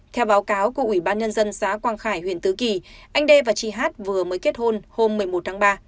theo báo cáo của ủy ban nhân dân xã quang khải huyện tứ kỳ anh đê và chị hát vừa mới kết hôn hôm một mươi một tháng ba